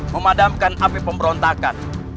memadamkan api pemberontakan